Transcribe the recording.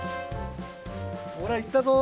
ほらいったぞ！